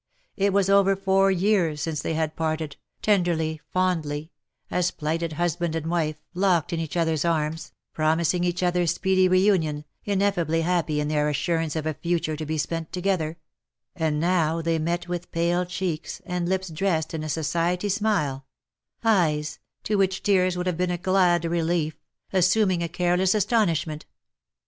It was over four years since they had parted, tenderly, fondly, as plighted husband and wife, locked in each other's arms, promising each other speed}^ reunion, ineffably happy in their assurance of a future to be spent together : and now they met with pale cheeks, and lips dressed in a society smile — eyes — to which tears would have been a glad relief — assuming a careless astonishment.